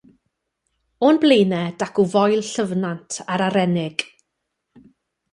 O'n blaenau dacw Foel Llyfnant a'r Arennig.